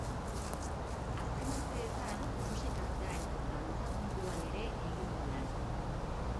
Azken urteetan musikaz gain dantza munduan ere egin du lan.